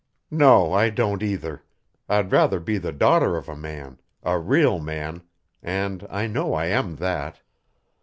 No, I don't either. I'd rather be the daughter of a man a real man and I know I am that."